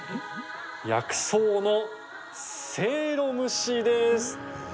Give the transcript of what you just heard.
薬草のせいろ蒸しです。